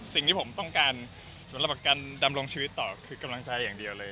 สิ่งที่ผมต้องการสำหรับการดำรงชีวิตต่อคือกำลังใจอย่างเดียวเลย